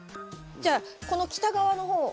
じゃあこの北側の方。